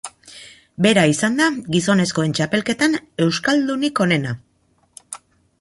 Bera izan da gizonezkoen txapelketan euskaldunik onena.